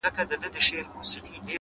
• ښه به وي چي دا يې خوښـــه ســـوېده؛